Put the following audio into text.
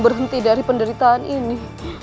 berhenti dari penderitaan ini